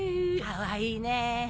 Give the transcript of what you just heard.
かわいいねぇ。